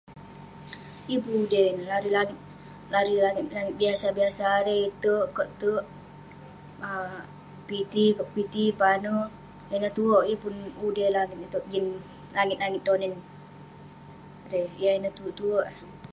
Yeng pun ude neh, larui langit, larui langit, langit biasa biasa erei .. terk..kerk terk[um] piti kerk piti, pane...ineh tuwerk..yeng pun ude langit itouk jin langit langit tonen erei..yah ineh tuwerk tuwerk eh..